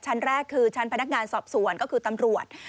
ชั้นแรกคือชั้นพนักงานสอบสวนก็คือตำรวจ